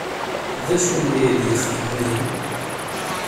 D acu aya d-yexdem waya?